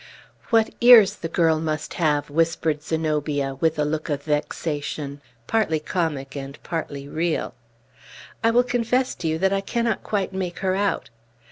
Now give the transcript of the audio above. "What ears the girl must have!" whispered Zenobia, with a look of vexation, partly comic and partly real. "I will confess to you that I cannot quite make her out.